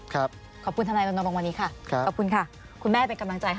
ขอบคุณธนงรงค์วันนี้ค่ะ